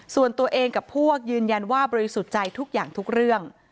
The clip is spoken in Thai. ส่วนตัวเองกับพวกยืนยันว่าบริสุทธิ์ใจทุกอย่างทุกเรื่อง